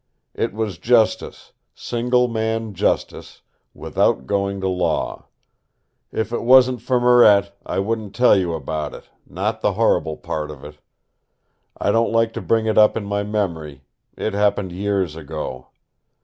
It was justice, single man justice, without going to law. If it wasn't for Marette, I wouldn't tell you about it not the horrible part of it. I don't like to bring it up in my memory. ... It happened years ago.